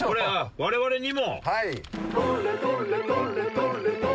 我々にも！